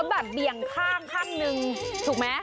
อ๋อแบบเบี่ยงข้างข้างนึงถูกมั้ย